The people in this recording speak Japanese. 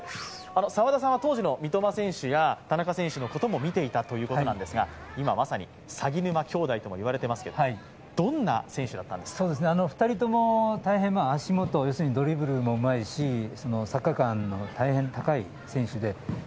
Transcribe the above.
澤田さんは当時の三笘選手や田中選手のことを見ていたそうですが今、まさに鷺沼兄弟と言われていますが２人とも大変足元、ドリブルもうまいしサッカー勘の高い選手でもあります。